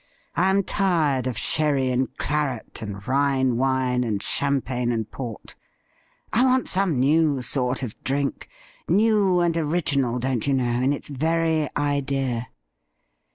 I am tired of sherry and claret, and Rhine wine and champagne and port. I want some new sort of drink — new and original, don't you know, in its very idea.